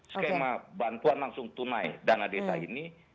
skema bantuan langsung tunai dana desa ini